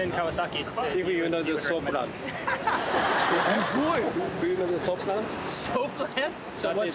すごい！